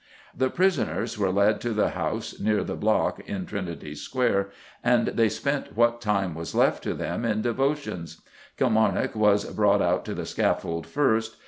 '" The prisoners were led to the house near the block in Trinity Square, and they spent what time was left to them in devotions. Kilmarnock was brought out to the scaffold first.